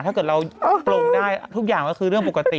ถ้าเกิดเราปลงได้ทุกอย่างก็คือเรื่องปกติ